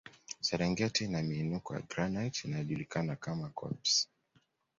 Serengeti ina miinuko ya granite inayojulikana kama koppes